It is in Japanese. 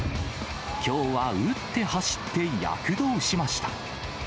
きょうは打って走って、躍動しました。